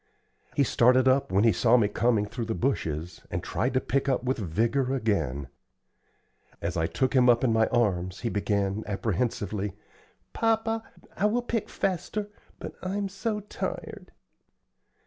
He started up when he saw me coming through the bushes, and tried to pick with vigor again. As I took him up in my arms, he began, apprehensively, "Papa, I will pick faster, but I'm so tired!"